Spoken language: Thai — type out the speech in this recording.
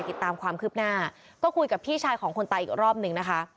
ติดตามความคืบหน้าก็คุยกับพี่ชายของคนตายอีกรอบนึงนะคะ